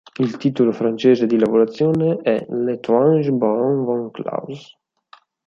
Il titolo francese di lavorazione è "L'étrange Baron Von Klaus".